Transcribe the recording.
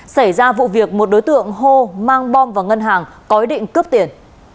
xảy ra vụ việc một đối tượng hô mang bom vào ngân hàng có ý định cướp tiền